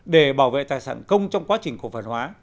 để bảo vệ tài sản công trong quá trình cổ phần hóa